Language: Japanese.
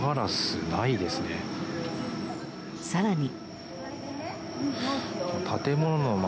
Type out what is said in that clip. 更に。